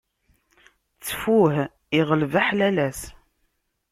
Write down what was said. Ttfuh iɣleb aḥlalas.